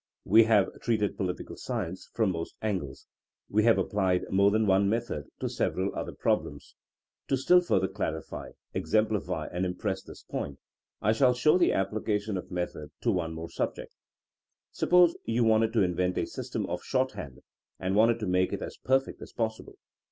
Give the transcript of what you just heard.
We have treated political science from most angles. We have applied more than one method to several other problems. To still further clarify, exemplify and impress this point, I shall show the application of method to one more subject. Suppose you wanted to invent a system of shorthand, and wanted to make it as perfect as possible.